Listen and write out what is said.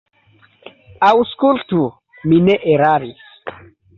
Aŭskultu; mi ne eraris.